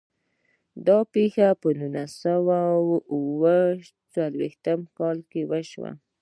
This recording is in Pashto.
دا پیښه په نولس سوه او اووه څلوېښتم کال کې وشوه.